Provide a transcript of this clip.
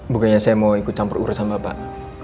bukannya saya mau ikut campur urusan bapak